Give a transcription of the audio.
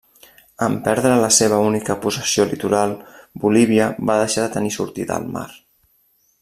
En perdre la seva única possessió litoral, Bolívia va deixar de tenir sortida al mar.